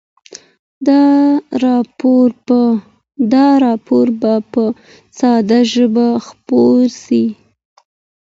دا راپور به په ساده ژبه خپور سي.